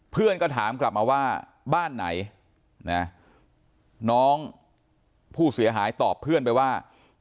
เพื่อนก็ถามกลับมาว่าบ้านไหนนะน้องผู้เสียหายตอบเพื่อนไปว่า